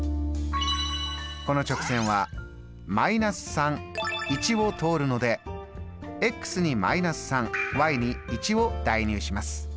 この直線はを通るのでに−３に１を代入します。